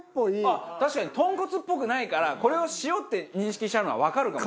あっ確かに豚骨っぽくないからこれを塩って認識しちゃうのはわかるかも。